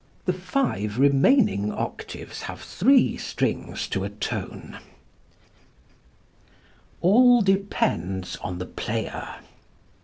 The five remaining octaves have three strings to a tone. All Depends on the Player.